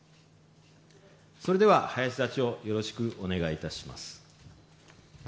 それでは林座長よろしくお願いいたします。